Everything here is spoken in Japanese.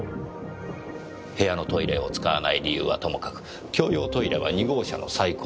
部屋のトイレを使わない理由はともかく共用トイレは２号車の最後尾。